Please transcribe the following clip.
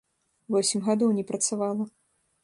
Восем гадоў не працавала.